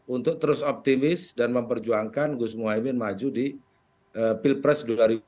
untuk terus optimis dan memperjuangkan gus muhaymin maju di pilpres dua ribu sembilan belas